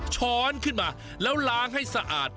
ช้อนขึ้นมาแล้วล้างให้สะอาด